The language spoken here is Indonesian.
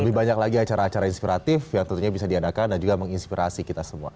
lebih banyak lagi acara acara inspiratif yang tentunya bisa diadakan dan juga menginspirasi kita semua